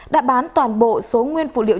đã bán toàn bộ số nguyên phụ liệu